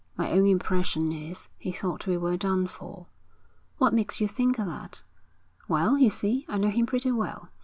'My own impression is, he thought we were done for.' 'What makes you think that?' 'Well, you see, I know him pretty well.